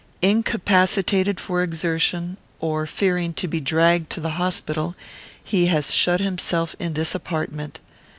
Incapacitated for exertion, or fearing to be dragged to the hospital, he has shut himself in this apartment.